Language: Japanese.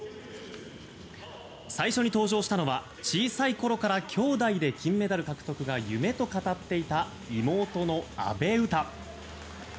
最初に登場したのは小さいころから兄妹で金メダル獲得が夢と語っていた妹の阿部詩。